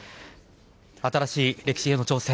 新しい歴史への挑戦